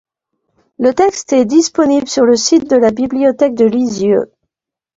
Le texte est disponible sur le site de la Bibliothèque de Lisieux.